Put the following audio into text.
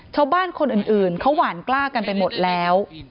ชาวบ้านคนอื่นเขาหวานกล้ากันไปหมดแล้ว